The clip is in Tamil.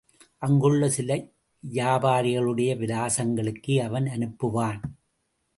அங்குள்ள சில வியாபாரிகளுடைய விலாசங்களுக்கே அவன் அனுப்புவான்.